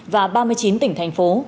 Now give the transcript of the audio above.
và ba mươi chín tỉnh thành phố